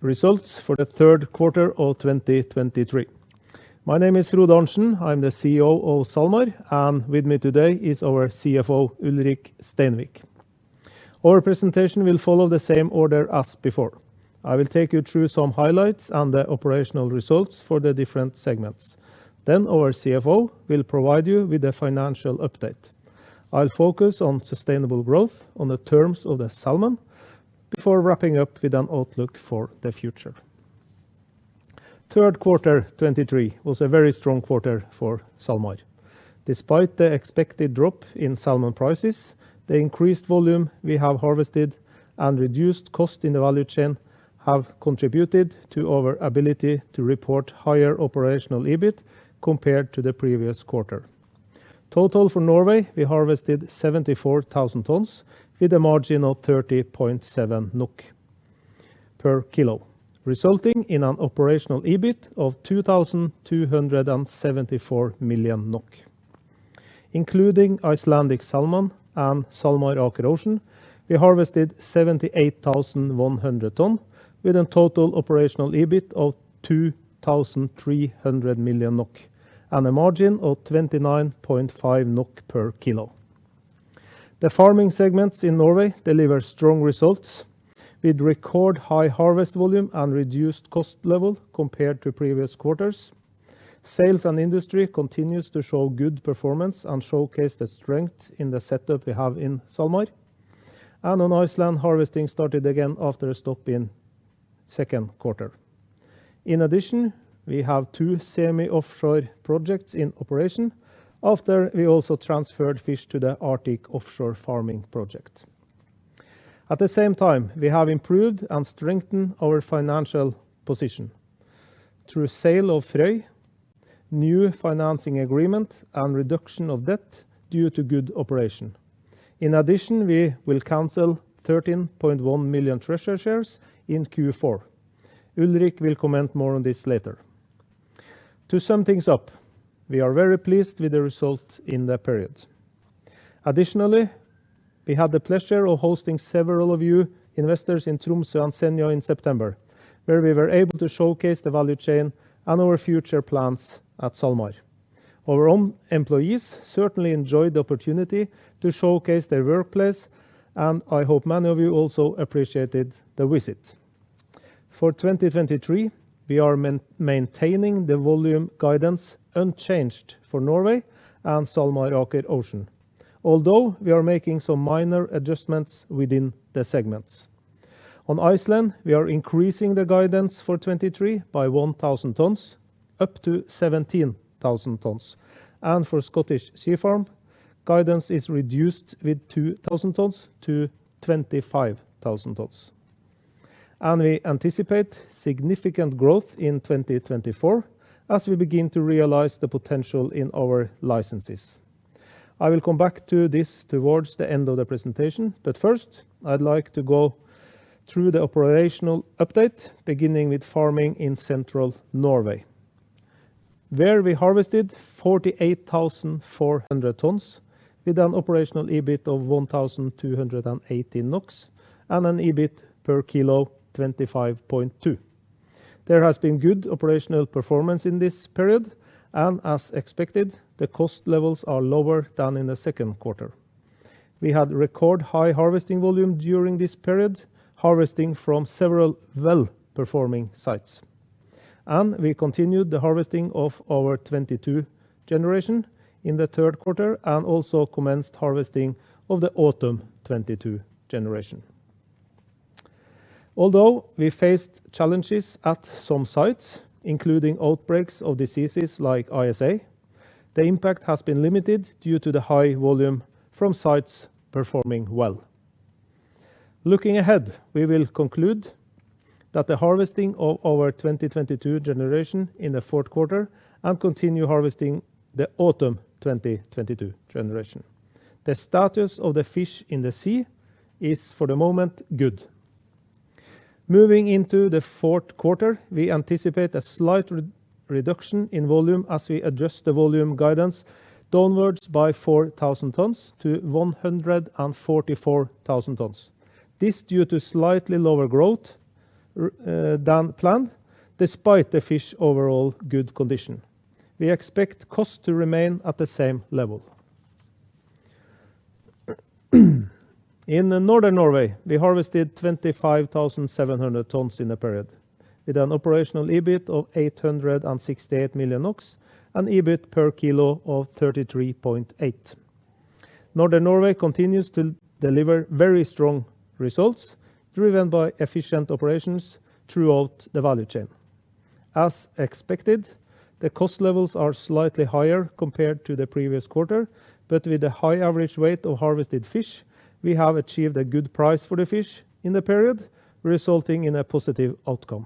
Results for the Third Quarter of 2023. My name is Frode Arntsen. I'm the CEO of SalMar, and with me today is our CFO, Ulrik Steinvik. Our presentation will follow the same order as before. I will take you through some highlights and the operational results for the different segments. Then our CFO will provide you with a financial update. I'll focus on sustainable growth on the terms of the salmon, before wrapping up with an outlook for the future. Third Quarter 2023 was a very strong quarter for SalMar. Despite the expected drop in salmon prices, the increased volume we have harvested and reduced cost in the value chain have contributed to our ability to report higher operational EBIT compared to the previous quarter. Total for Norway, we harvested 74,000 tons, with a margin of 30.7 NOK per kilo, resulting in an operational EBIT of 2,274 million NOK. Including Icelandic Salmon and SalMar Aker Ocean, we harvested 78,100 tons, with a total operational EBIT of 2,300 million NOK, and a margin of 29.5 NOK per kilo. The farming segments in Norway deliver strong results, with record high harvest volume and reduced cost level compared to previous quarters. Sales and industry continues to show good performance and showcase the strength in the setup we have in SalMar, and on Iceland, harvesting started again after a stop in second quarter. In addition, we have two semi-offshore projects in operation, after we also transferred fish to the Arctic Offshore Farming project. At the same time, we have improved and strengthened our financial position through sale of Frøy, new financing agreement, and reduction of debt due to good operation. In addition, we will cancel 13.1 million treasury shares in Q4. Ulrik will comment more on this later. To sum things up, we are very pleased with the results in the period. Additionally, we had the pleasure of hosting several of you investors in Tromsø and Senja in September, where we were able to showcase the value chain and our future plans at SalMar. Our own employees certainly enjoyed the opportunity to showcase their workplace, and I hope many of you also appreciated the visit. For 2023, we are maintaining the volume guidance unchanged for Norway and SalMar Aker Ocean, although we are making some minor adjustments within the segments. In Iceland, we are increasing the guidance for 2023 by 1,000 tons, up to 17,000 tons, and for Scottish Sea Farms, guidance is reduced with 2,000 tons to 25,000 tons. We anticipate significant growth in 2024, as we begin to realize the potential in our licenses. I will come back to this towards the end of the presentation, but first, I'd like to go through the operational update, beginning with farming in Central Norway, where we harvested 48,400 tons, with an operational EBIT of 1,280 NOK and an EBIT per kilo 25.2. There has been good operational performance in this period, and as expected, the cost levels are lower than in the second quarter. We had record high harvesting volume during this period, harvesting from several well-performing sites. We continued the harvesting of our 2022 generation in the third quarter and also commenced harvesting of the autumn 2022 generation. Although we faced challenges at some sites, including outbreaks of diseases like ISA, the impact has been limited due to the high volume from sites performing well. Looking ahead, we will conclude the harvesting of our 2022 generation in the fourth quarter and continue harvesting the autumn 2022 generation. The status of the fish in the sea is, for the moment, good. Moving into the fourth quarter, we anticipate a slight reduction in volume as we adjust the volume guidance downwards by 4,000 tons to 144,000 tons. This due to slightly lower growth than planned, despite the fish overall good condition. We expect costs to remain at the same level. In the Northern Norway, we harvested 25,700 tons in the period, with an operational EBIT of 868 million NOK and EBIT per kilo of 33.8. Northern Norway continues to deliver very strong results, driven by efficient operations throughout the value chain. As expected, the cost levels are slightly higher compared to the previous quarter, but with the high average weight of harvested fish, we have achieved a good price for the fish in the period, resulting in a positive outcome.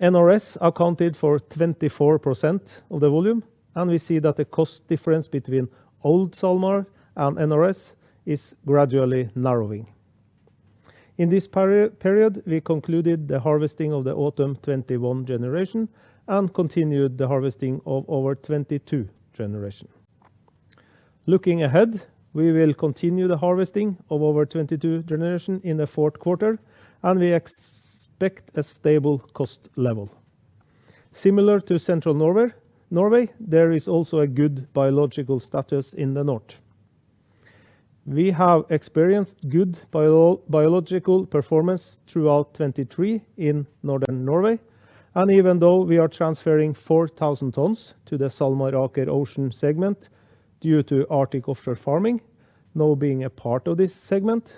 NRS accounted for 24% of the volume, and we see that the cost difference between old SalMar and NRS is gradually narrowing. In this period, we concluded the harvesting of the autumn 2021 generation and continued the harvesting of our 2022 generation. Looking ahead, we will continue the harvesting of our 2022 generation in the fourth quarter, and we expect a stable cost level. Similar to Central Norway, there is also a good biological status in the north. We have experienced good biological performance throughout 2023 in Northern Norway, and even though we are transferring 4,000 tons to the SalMar Aker Ocean segment due to Arctic Offshore Farming, now being a part of this segment,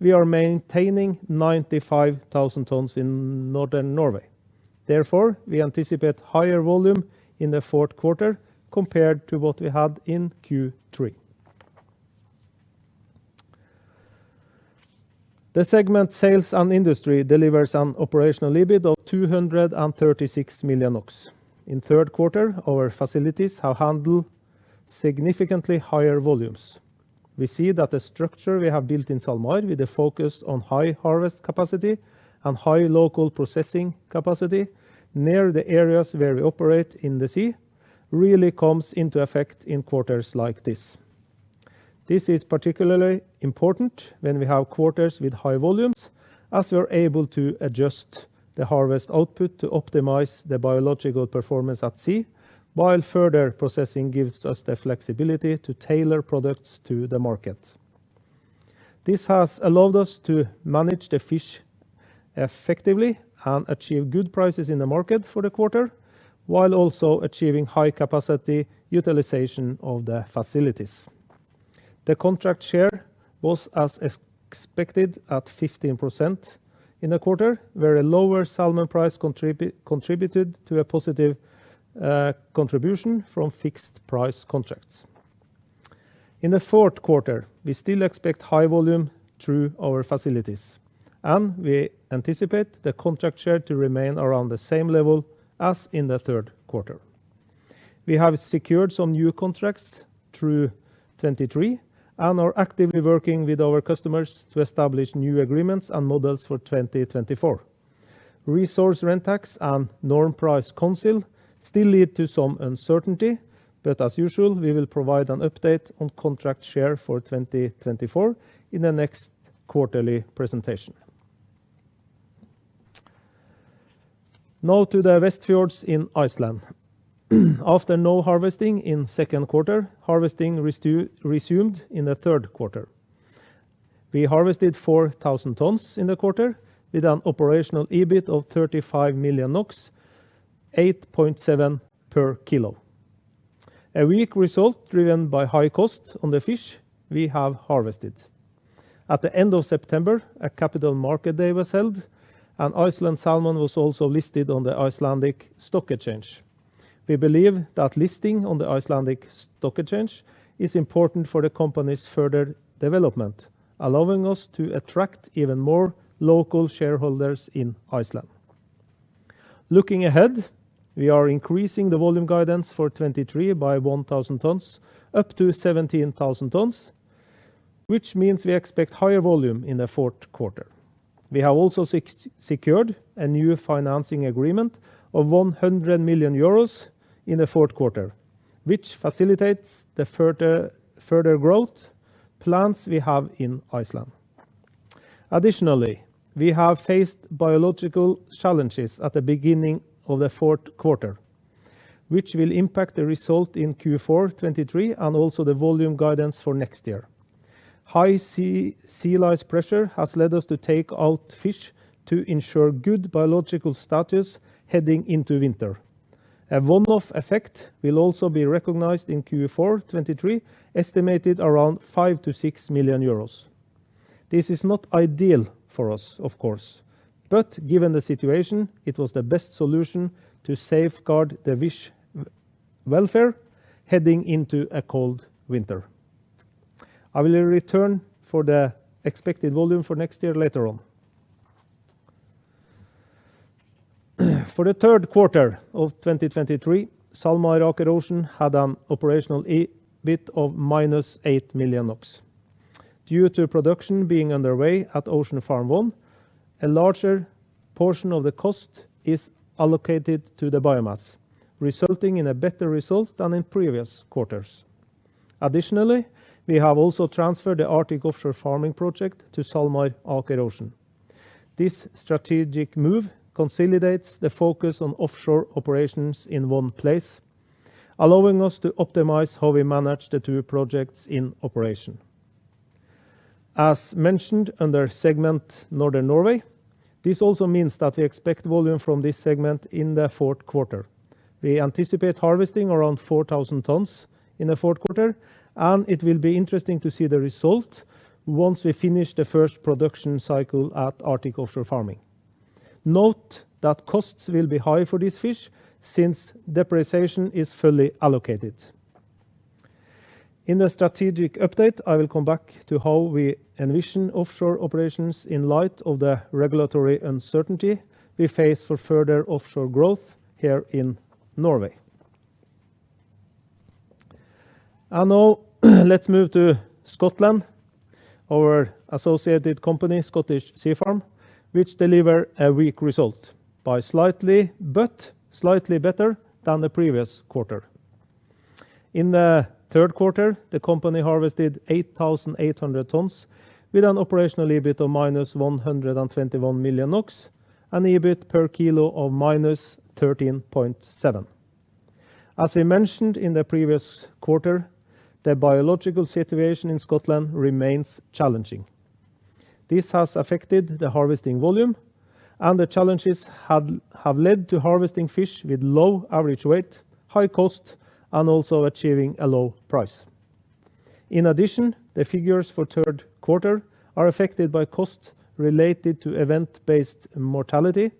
we are maintaining 95,000 tons in Northern Norway. Therefore, we anticipate higher volume in the fourth quarter compared to what we had in Q3. The segment sales and industry delivers an operational EBIT of 236 million NOK. In third quarter, our facilities have handled significantly higher volumes. We see that the structure we have built in SalMar, with a focus on high harvest capacity and high local processing capacity, near the areas where we operate in the sea, really comes into effect in quarters like this. This is particularly important when we have quarters with high volumes, as we are able to adjust the harvest output to optimize the biological performance at sea, while further processing gives us the flexibility to tailor products to the market. This has allowed us to manage the fish effectively and achieve good prices in the market for the quarter, while also achieving high capacity utilization of the facilities. The contract share was, as expected, at 15% in the quarter, where a lower salmon price contributed to a positive contribution from fixed price contracts. In the fourth quarter, we still expect high volume through our facilities, and we anticipate the contract share to remain around the same level as in the third quarter. We have secured some new contracts through 2023 and are actively working with our customers to establish new agreements and models for 2024. Resource Rent Tax and Norm Price Council still lead to some uncertainty, but as usual, we will provide an update on contract share for 2024 in the next quarterly presentation. Now to the Westfjords in Iceland. After no harvesting in second quarter, harvesting resumed in the third quarter. We harvested 4,000 tons in the quarter with an operational EBIT of 35 million NOK, 8.7 per kilo. A weak result driven by high cost on the fish we have harvested. At the end of September, a Capital Markets Day was held, and Icelandic Salmon was also listed on the Icelandic Stock Exchange. We believe that listing on the Icelandic Stock Exchange is important for the company's further development, allowing us to attract even more local shareholders in Iceland. Looking ahead, we are increasing the volume guidance for 2023 by 1,000 tons, up to 17,000 tons, which means we expect higher volume in the fourth quarter. We have also secured a new financing agreement of 100 million euros in the fourth quarter, which facilitates the further growth plans we have in Iceland. Additionally, we have faced biological challenges at the beginning of the fourth quarter, which will impact the result in Q4 2023 and also the volume guidance for next year. High sea, sea lice pressure has led us to take out fish to ensure good biological status heading into winter. A one-off effect will also be recognized in Q4 2023, estimated around 5-6 million euros. This is not ideal for us, of course, but given the situation, it was the best solution to safeguard the fish welfare heading into a cold winter. I will return for the expected volume for next year later on. For the third quarter of 2023, SalMar Aker Ocean had an operational EBIT of -8 million NOK. Due to production being underway at Ocean Farm 1, a larger portion of the cost is allocated to the biomass, resulting in a better result than in previous quarters. Additionally, we have also transferred the Arctic Offshore Farming project to SalMar Aker Ocean. This strategic move consolidates the focus on offshore operations in one place, allowing us to optimize how we manage the two projects in operation. As mentioned under segment Northern Norway, this also means that we expect volume from this segment in the fourth quarter. We anticipate harvesting around 4,000 tons in the fourth quarter, and it will be interesting to see the result once we finish the first production cycle at Arctic Offshore Farming. Note that costs will be high for this fish since depreciation is fully allocated. In the strategic update, I will come back to how we envision offshore operations in light of the regulatory uncertainty we face for further offshore growth here in Norway. And now, let's move to Scotland, our associated company, Scottish Sea Farms, which deliver a weak result by slightly, but slightly better than the previous quarter. In the third quarter, the company harvested 8,800 tons, with an operational EBIT of -121 million NOK, and EBIT per kilo of -13.7. As we mentioned in the previous quarter, the biological situation in Scotland remains challenging. This has affected the harvesting volume, and the challenges have led to harvesting fish with low average weight, high cost, and also achieving a low price. In addition, the figures for third quarter are affected by costs related to event-based mortality,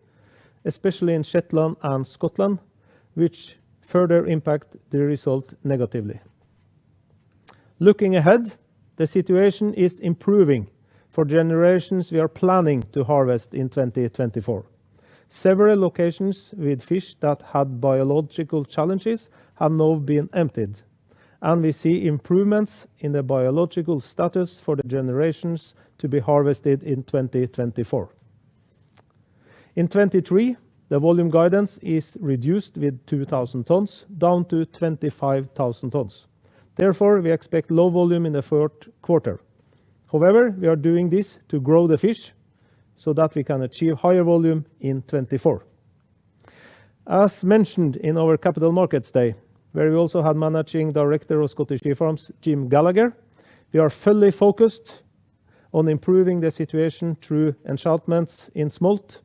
especially in Shetland and Scotland, which further impact the result negatively. Looking ahead, the situation is improving for generations we are planning to harvest in 2024. Several locations with fish that had biological challenges have now been emptied, and we see improvements in the biological status for the generations to be harvested in 2024. In 2023, the volume guidance is reduced with 2,000 tons, down to 25,000 tons. Therefore, we expect low volume in the fourth quarter. However, we are doing this to grow the fish so that we can achieve higher volume in 2024. As mentioned in our Capital Markets Day, where we also had Managing Director of Scottish Sea Farms, Jim Gallagher, we are fully focused on improving the situation through enhancements in smolt,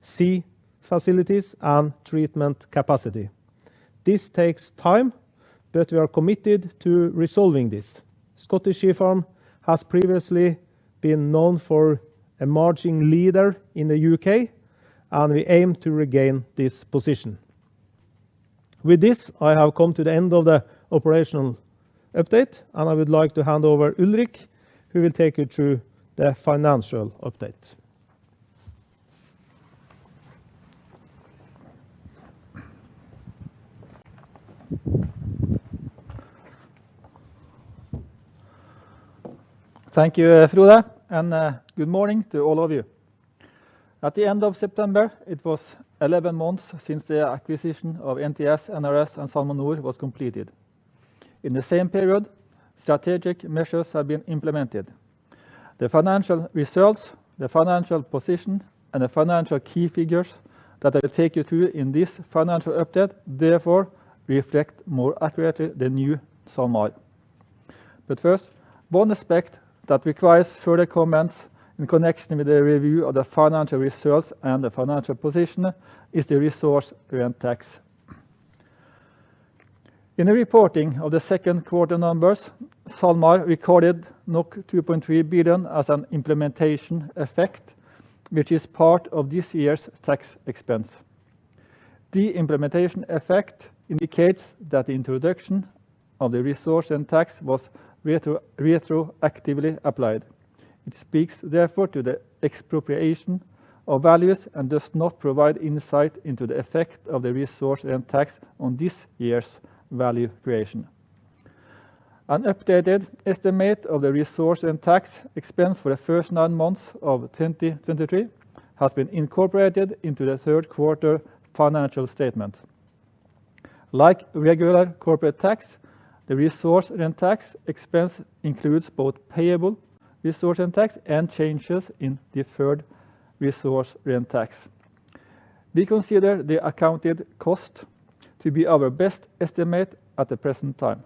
sea facilities, and treatment capacity. This takes time, but we are committed to resolving this. Scottish Sea Farms has previously been known as an emerging leader in the UK, and we aim to regain this position. With this, I have come to the end of the operational update, and I would like to hand over Ulrik, who will take you through the financial update. Thank you, Frode, and good morning to all of you. At the end of September, it was 11 months since the acquisition of NTS, NRS, and SalmoNor was completed. In the same period, strategic measures have been implemented. The financial results, the financial position, and the financial key figures that I will take you through in this financial update therefore reflect more accurately the new SalMar. But first, one aspect that requires further comments in connection with the review of the financial results and the financial position is the resource rent tax. In the reporting of the second quarter numbers, SalMar recorded 2.3 billion as an implementation effect, which is part of this year's tax expense. The implementation effect indicates that the introduction of the resource rent tax was retroactively applied. It speaks therefore to the expropriation of values and does not provide insight into the effect of the resource rent tax on this year's value creation. An updated estimate of the resource rent tax expense for the first nine months of 2023 has been incorporated into the third quarter financial statement. Like regular corporate tax, the resource rent tax expense includes both payable resource rent tax and changes in deferred resource rent tax. We consider the accounted cost to be our best estimate at the present time.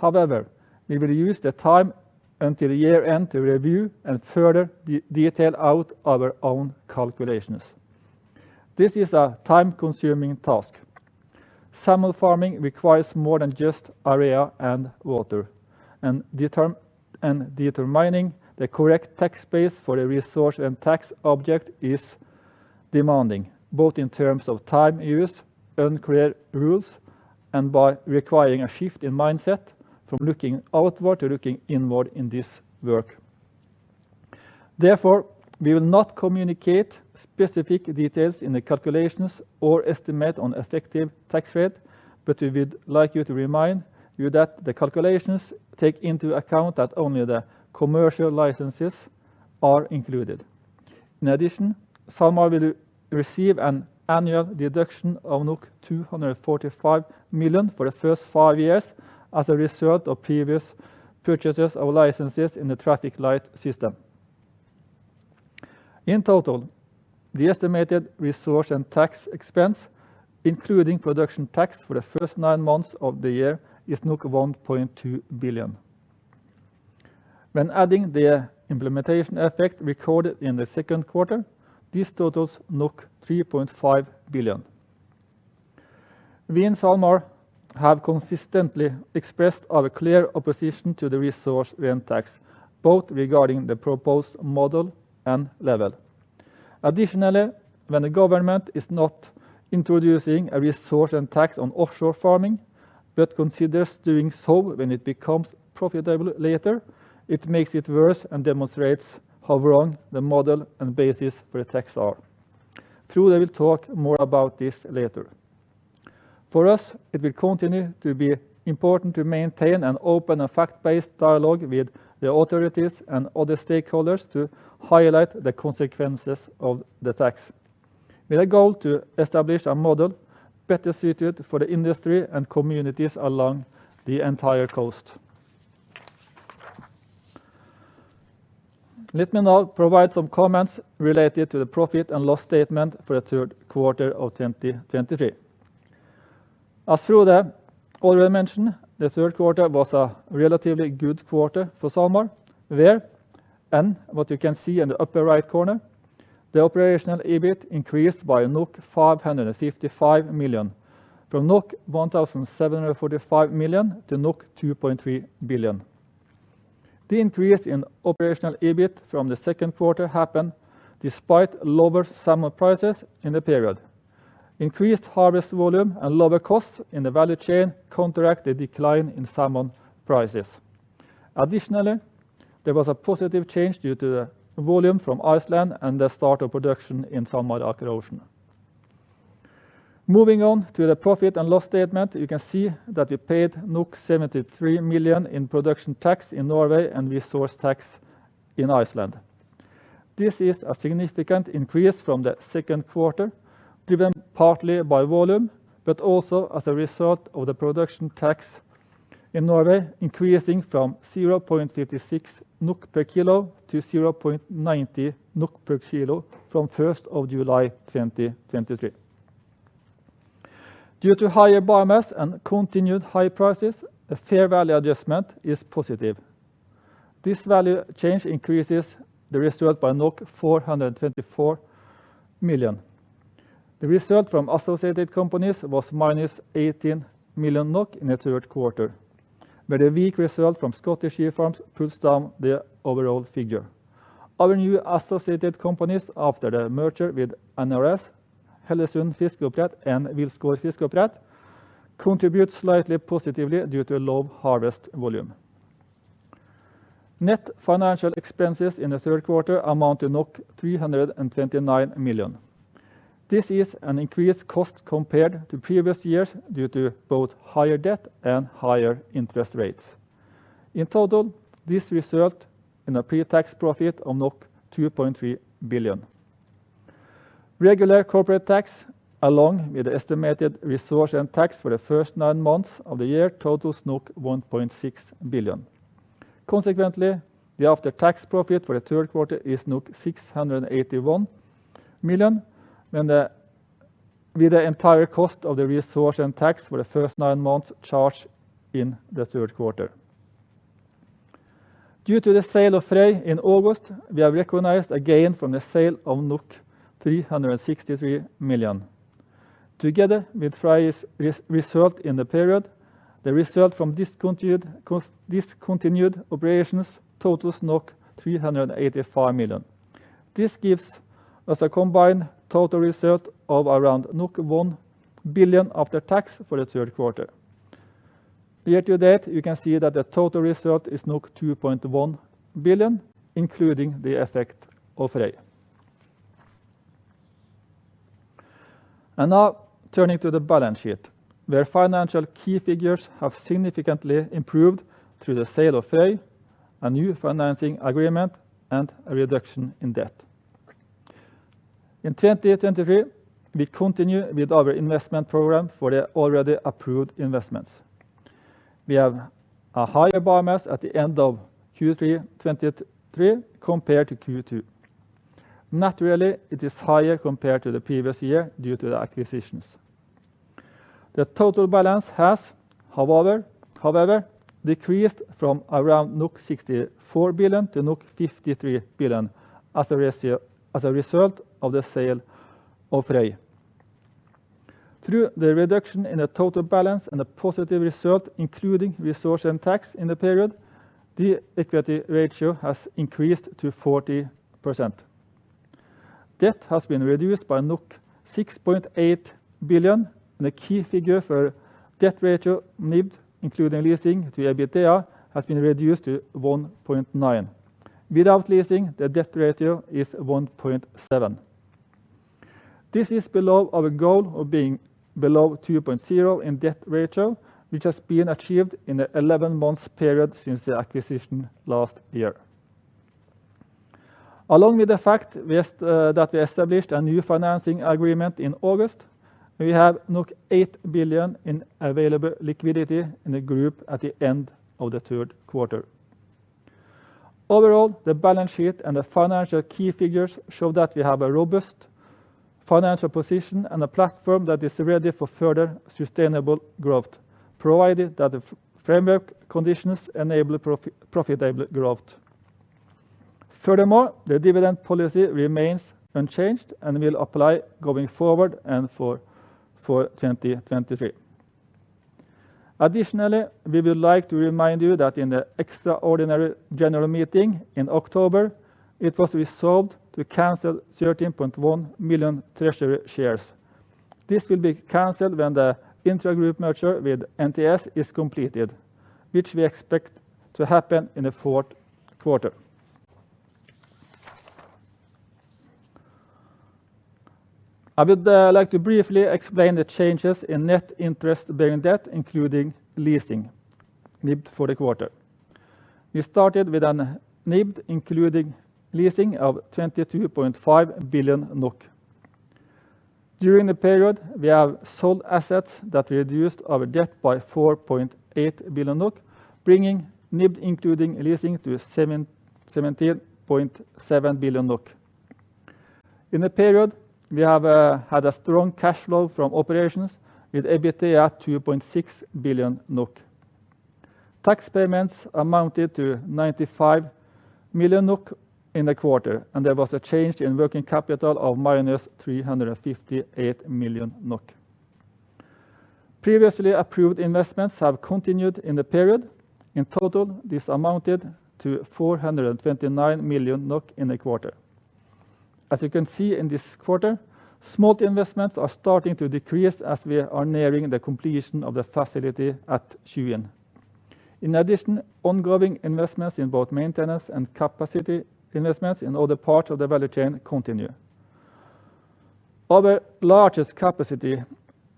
However, we will use the time until the year end to review and further detail out our own calculations. This is a time-consuming task. Salmon farming requires more than just area and water, and determining the correct tax base for the resource and tax object is demanding, both in terms of time used, unclear rules, and by requiring a shift in mindset from looking outward to looking inward in this work. Therefore, we will not communicate specific details in the calculations or estimate on effective tax rate, but we would like you to remind you that the calculations take into account that only the commercial licenses are included. In addition, SalMar will receive an annual deduction of 245 million for the first five years as a result of previous purchases of licenses in the traffic light system. In total, the estimated resource and tax expense, including production tax for the first nine months of the year, is 1.2 billion. When adding the implementation effect recorded in the second quarter, this totals 3.5 billion. We in SalMar have consistently expressed our clear opposition to the resource rent tax, both regarding the proposed model and level. Additionally, when the government is not introducing a resource rent tax on offshore farming, but considers doing so when it becomes profitable later, it makes it worse and demonstrates how wrong the model and basis for the tax are. Frode will talk more about this later. For us, it will continue to be important to maintain an open and fact-based dialogue with the authorities and other stakeholders to highlight the consequences of the tax, with a goal to establish a model better suited for the industry and communities along the entire coast. Let me now provide some comments related to the profit and loss statement for the third quarter of 2023. As Frode already mentioned, the third quarter was a relatively good quarter for SalMar, where and what you can see in the upper right corner, the operational EBIT increased by 555 million, from 1,745 million to 2.3 billion. The increase in operational EBIT from the second quarter happened despite lower salmon prices in the period. Increased harvest volume and lower costs in the value chain counteract the decline in salmon prices. Additionally, there was a positive change due to the volume from Iceland and the start of production in SalMar Aker Ocean. Moving on to the profit and loss statement, you can see that we paid 73 million in production tax in Norway and resource tax in Iceland. This is a significant increase from the second quarter, driven partly by volume, but also as a result of the production tax in Norway, increasing from 0.56 NOK NOK per kilo to 0.90 NOK per kilo from 1st of July 2023. Due to higher biomass and continued high prices, the fair value adjustment is positive. This value change increases the result by 424 million. The result from associated companies was -18 million NOK in the third quarter, where the weak result from Scottish Sea Farms pulls down the overall figure. Our new associated companies, after the merger with NRS, Hellesund Fiskeoppdrett, and Wilsgård Fiskeoppdrett, contribute slightly positively due to low harvest volume. Net financial expenses in the third quarter amount to 329 million. This is an increased cost compared to previous years due to both higher debt and higher interest rates. In total, this result in a pre-tax profit of 2.3 billion. Regular corporate tax, along with the estimated resource rent tax for the first nine months of the year, totals 1.6 billion. Consequently, the after-tax profit for the third quarter is 681 million, with the entire cost of the resource rent tax for the first nine months charged in the third quarter. Due to the sale of Frøy in August, we have recognized a gain from the sale of 363 million. Together with Frøy's result in the period, the result from discontinued operations totals 385 million. This gives us a combined total result of around 1 billion after tax for the third quarter. Year to date, you can see that the total result is 2.1 billion, including the effect of Frøy. Now, turning to the balance sheet, where financial key figures have significantly improved through the sale of Frøy, a new financing agreement, and a reduction in debt. In 2023, we continue with our investment program for the already approved investments. We have a higher biomass at the end of Q3 2023 compared to Q2. Naturally, it is higher compared to the previous year due to the acquisitions. The total balance has, however, decreased from around 64 billion-53 billion NOK as a result of the sale of Frøy. Through the reduction in the total balance and a positive result, including resource and tax in the period, the equity ratio has increased to 40%. Debt has been reduced by 6.8 billion, and a key figure for debt ratio, NIBD, including leasing to EBITDA, has been reduced to 1.9. Without leasing, the debt ratio is 1.7. This is below our goal of being below 2.0 in debt ratio, which has been achieved in the 11 months period since the acquisition last year. Along with the fact that we established a new financing agreement in August, we have 8 billion in available liquidity in the group at the end of the third quarter. Overall, the balance sheet and the financial key figures show that we have a robust financial position and a platform that is ready for further sustainable growth, provided that the framework conditions enable profitable growth. Furthermore, the dividend policy remains unchanged and will apply going forward and for 2023. Additionally, we would like to remind you that in the extraordinary general meeting in October, it was resolved to cancel 13.1 million treasury shares. This will be canceled when the intragroup merger with NTS is completed, which we expect to happen in the fourth quarter. I would like to briefly explain the changes in net interest-bearing debt, including leasing, NIBD, for the quarter. We started with an NIBD, including leasing of 22.5 billion NOK. During the period, we have sold assets that reduced our debt by 4.8 billion NOK, bringing NIBD, including leasing, to 17.7 billion NOK. In the period, we have had a strong cash flow from operations with EBITDA at 2.6 billion NOK. Tax payments amounted to 95 million NOK in the quarter, and there was a change in working capital of -358 million NOK. Previously approved investments have continued in the period. In total, this amounted to 429 million NOK in the quarter. As you can see in this quarter, small investments are starting to decrease as we are nearing the completion of the facility at Skjervøy. In addition, ongoing investments in both maintenance and capacity investments in other parts of the value chain continue. Other largest capacity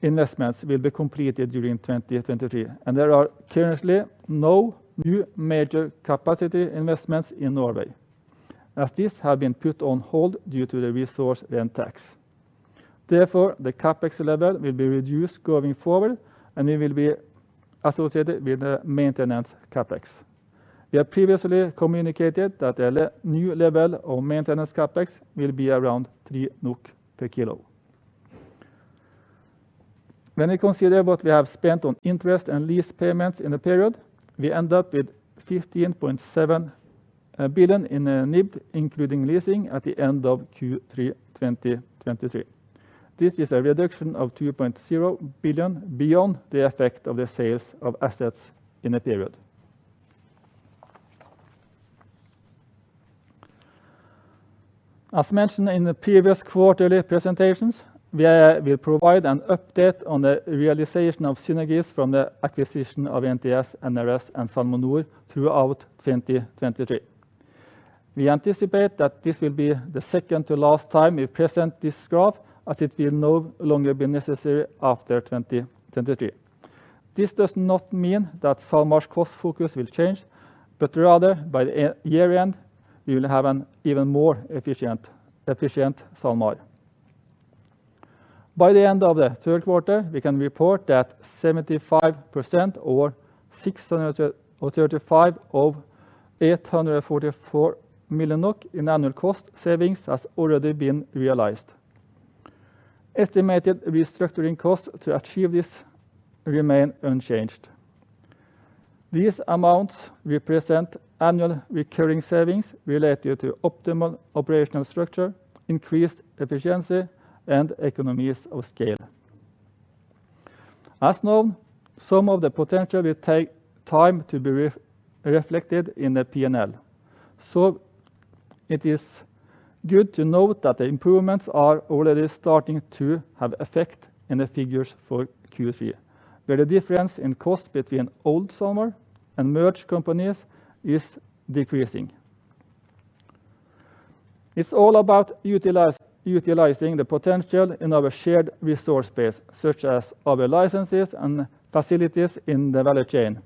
investments will be completed during 2023, and there are currently no new major capacity investments in Norway, as these have been put on hold due to the resource rent tax. Therefore, the CapEx level will be reduced going forward, and it will be associated with the maintenance CapEx. We have previously communicated that the new level of maintenance CapEx will be around 3 NOK per kilo. When we consider what we have spent on interest and lease payments in the period, we end up with 15.7 billion in NIBD, including leasing at the end of Q3-2023. This is a reduction of 2.0 billion beyond the effect of the sales of assets in the period. As mentioned in the previous quarterly presentations, we will provide an update on the realization of synergies from the acquisition of NTS, NRS, and SalmoNor throughout 2023. We anticipate that this will be the second to last time we present this graph, as it will no longer be necessary after 2023. This does not mean that SalMar's cost focus will change, but rather by the year-end, we will have an even more efficient, efficient SalMar. By the end of the third quarter, we can report that 75%, or 635 million of 844 million in annual cost savings has already been realized. Estimated restructuring costs to achieve this remain unchanged. These amounts represent annual recurring savings related to optimal operational structure, increased efficiency, and economies of scale. As known, some of the potential will take time to be reflected in the P&L. So it is good to note that the improvements are already starting to have effect in the figures for Q3, where the difference in cost between old SalMar and merged companies is decreasing. It's all about utilizing the potential in our shared resource base, such as other licenses and facilities in the value chain.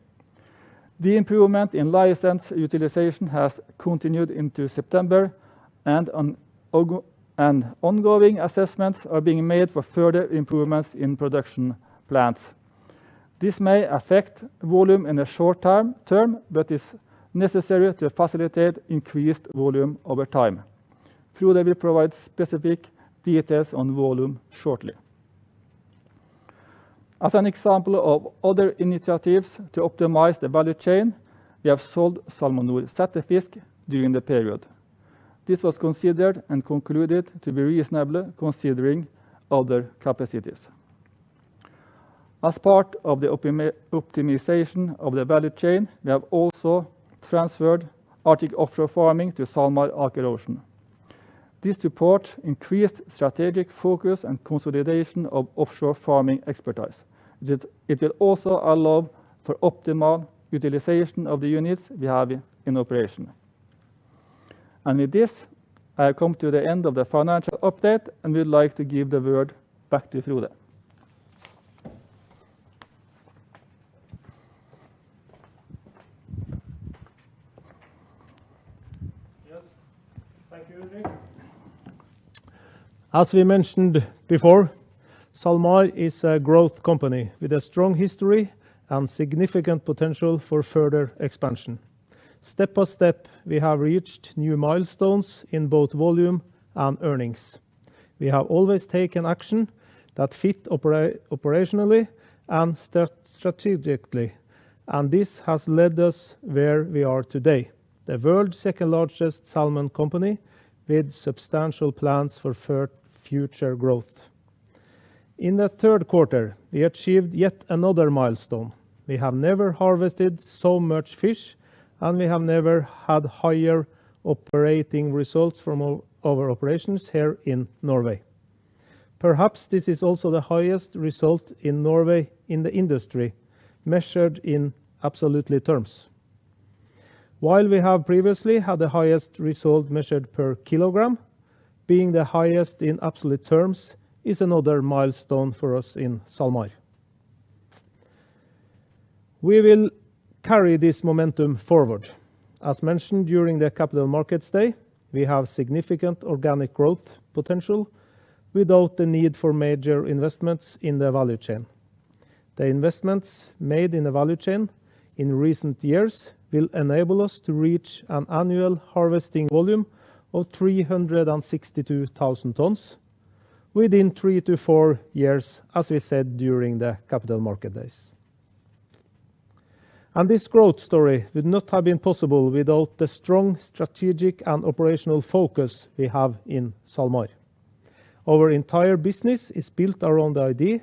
The improvement in license utilization has continued into September and ongoing assessments are being made for further improvements in production plants. This may affect volume in the short term, but is necessary to facilitate increased volume over time. Frode will provide specific details on volume shortly. As an example of other initiatives to optimize the value chain, we have sold SalmoNor Settefisk during the period. This was considered and concluded to be reasonable, considering other capacities. As part of the optimization of the value chain, we have also transferred Arctic Offshore Farming to SalMar Aker Ocean. This supports increased strategic focus and consolidation of offshore farming expertise. It, it will also allow for optimal utilization of the units we have in operation. With this, I have come to the end of the financial update and would like to give the word back to Frode. Yes, thank you, Ulrik. As we mentioned before, SalMar is a growth company with a strong history and significant potential for further expansion. Step by step, we have reached new milestones in both volume and earnings. We have always taken action that fit operationally and strategically, and this has led us where we are today, the world's second-largest salmon company, with substantial plans for future growth. In the third quarter, we achieved yet another milestone. We have never harvested so much fish, and we have never had higher operating results from all our operations here in Norway. Perhaps this is also the highest result in Norway in the industry, measured in absolute terms. While we have previously had the highest result measured per kilogram, being the highest in absolute terms is another milestone for us in SalMar. We will carry this momentum forward. As mentioned during the Capital Markets Day, we have significant organic growth potential without the need for major investments in the value chain. The investments made in the value chain in recent years will enable us to reach an annual harvesting volume of 362,000 tons within three to four years, as we said during the Capital Markets Day. This growth story would not have been possible without the strong strategic and operational focus we have in SalMar. Our entire business is built around the idea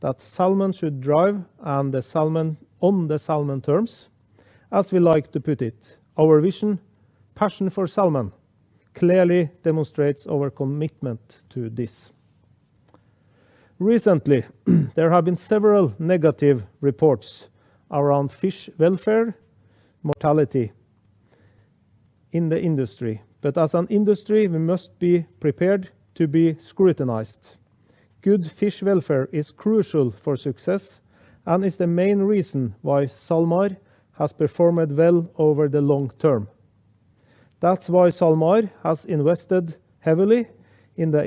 that salmon should drive and the salmon on the salmon terms, as we like to put it. Our vision, passion for salmon, clearly demonstrates our commitment to this. Recently, there have been several negative reports around fish welfare, mortality in the industry. As an industry, we must be prepared to be scrutinized. Good fish welfare is crucial for success and is the main reason why SalMar has performed well over the long term. That's why SalMar has invested heavily in the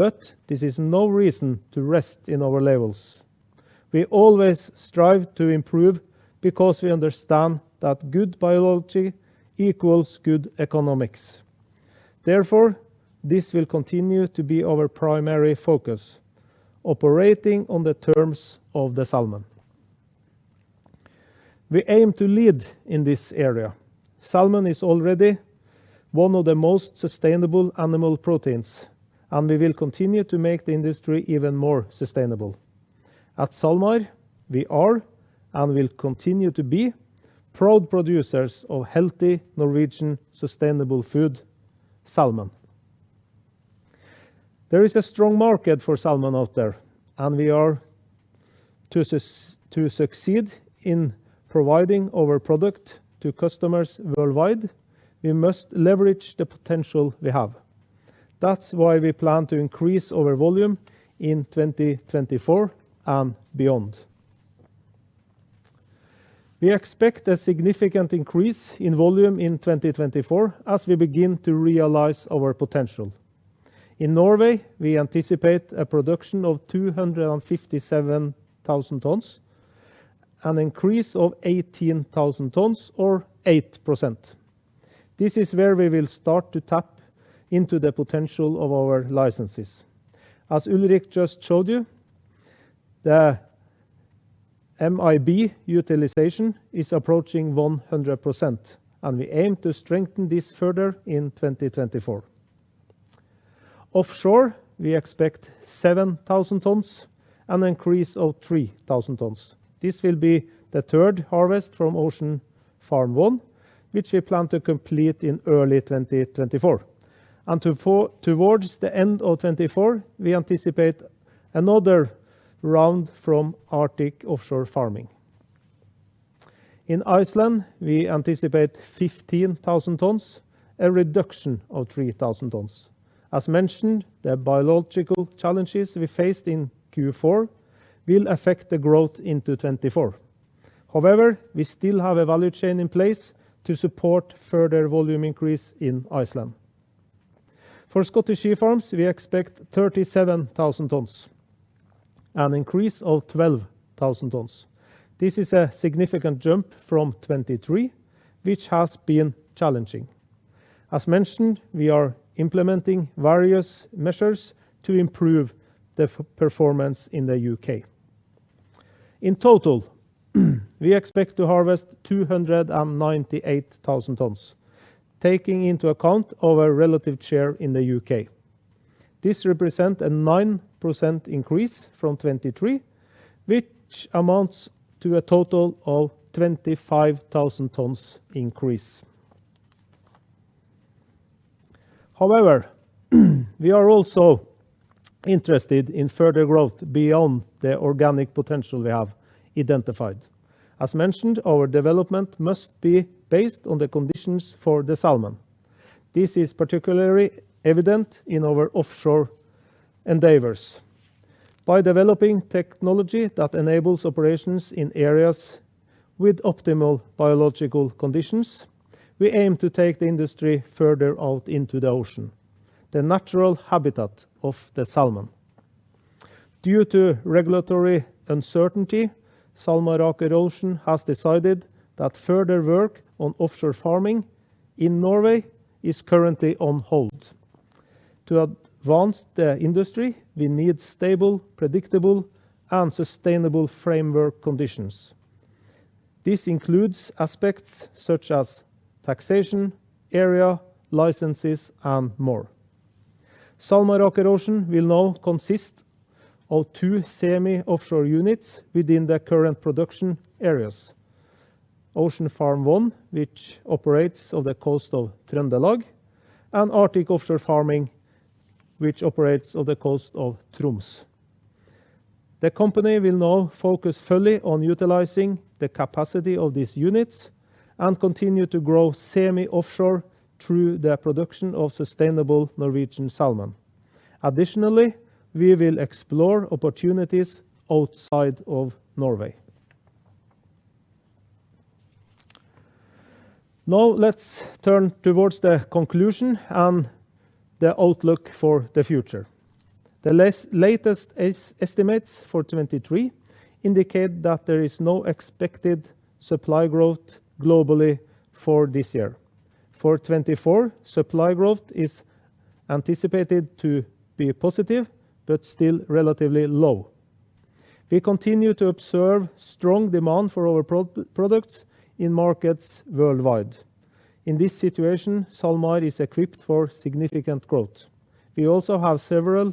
entire value chain, combined with the pursuit of the best locations in recent years, all to give the salmon the best possible conditions to thrive. SalMar has solid metrics for fish welfare, and we know that we perform well in this aspect, but this is no reason to rest in our levels. We always strive to improve because we understand that good biology equals good economics. Therefore, this will continue to be our primary focus, operating on the terms of the salmon. We aim to lead in this area. Salmon is already one of the most sustainable animal proteins, and we will continue to make the industry even more sustainable. At SalMar, we are, and will continue to be, proud producers of healthy Norwegian sustainable food, salmon. There is a strong market for salmon out there, and we are to succeed in providing our product to customers worldwide, we must leverage the potential we have. That's why we plan to increase our volume in 2024 and beyond. We expect a significant increase in volume in 2024 as we begin to realize our potential. In Norway, we anticipate a production of 257,000 tons, an increase of 18,000 tons, or 8%. This is where we will start to tap into the potential of our licenses. As Ulrik just showed you, the MAB utilization is approaching 100%, and we aim to strengthen this further in 2024. Offshore, we expect 7,000 tons, an increase of 3,000 tons. This will be the third harvest from Ocean Farm 1, which we plan to complete in early 2024. Towards the end of 2024, we anticipate another round from Arctic Offshore Farming. In Iceland, we anticipate 15,000 tons, a reduction of 3,000 tons. As mentioned, the biological challenges we faced in Q4 will affect the growth into 2024. However, we still have a value chain in place to support further volume increase in Iceland. For Scottish Sea Farms, we expect 37,000 tons, an increase of 12,000 tons. This is a significant jump from 2023, which has been challenging. As mentioned, we are implementing various measures to improve the performance in the U.K. In total, we expect to harvest 298,000 tons, taking into account our relative share in the U.K. This represents a 9% increase from 2023, which amounts to a total of 25,000 tons increase. However, we are also interested in further growth beyond the organic potential we have identified. As mentioned, our development must be based on the conditions for the salmon. This is particularly evident in our offshore endeavors. By developing technology that enables operations in areas with optimal biological conditions, we aim to take the industry further out into the ocean, the natural habitat of the salmon. Due to regulatory uncertainty, SalMar Aker Ocean has decided that further work on offshore farming in Norway is currently on hold. To advance the industry, we need stable, predictable, and sustainable framework conditions. This includes aspects such as taxation, area, licenses, and more. SalMar Aker Ocean will now consist of two semi-offshore units within the current production areas: Ocean Farm 1, which operates on the coast of Trøndelag, and Arctic Offshore Farming, which operates on the coast of Troms. The company will now focus fully on utilizing the capacity of these units and continue to grow semi-offshore through their production of sustainable Norwegian salmon. Additionally, we will explore opportunities outside of Norway. Now, let's turn towards the conclusion and the outlook for the future. The latest estimates for 2023 indicate that there is no expected supply growth globally for this year. For 2024, supply growth is anticipated to be positive, but still relatively low. We continue to observe strong demand for our products in markets worldwide. In this situation, SalMar is equipped for significant growth. We also have several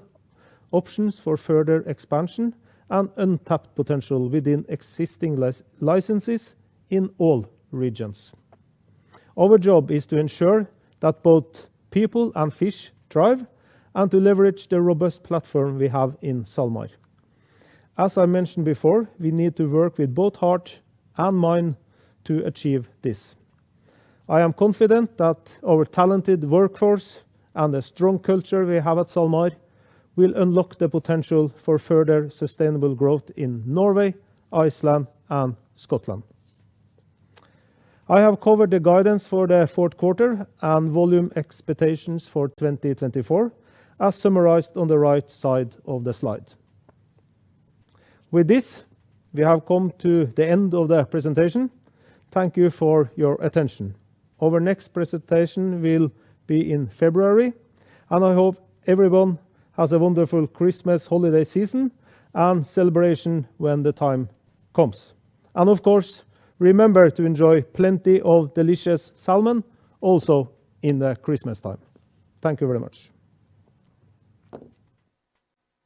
options for further expansion and untapped potential within existing licenses in all regions. Our job is to ensure that both people and fish thrive and to leverage the robust platform we have in SalMar. As I mentioned before, we need to work with both heart and mind to achieve this. I am confident that our talented workforce and the strong culture we have at SalMar will unlock the potential for further sustainable growth in Norway, Iceland, and Scotland. I have covered the guidance for the fourth quarter and volume expectations for 2024, as summarized on the right side of the slide. With this, we have come to the end of the presentation. Thank you for your attention. Our next presentation will be in February, and I hope everyone has a wonderful Christmas holiday season and celebration when the time comes. Of course, remember to enjoy plenty of delicious salmon also in the Christmas time. Thank you very much.